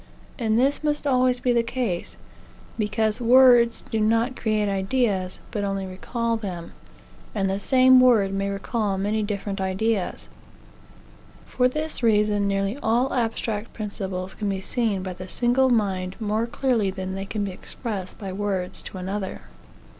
And this must always be the case, because words do not create ideas, but only recall them; and the same word may recall many different ideas. For this reason, nearly all abstract principles can be seen by the single mind more clearly than they can be expressed by words to another.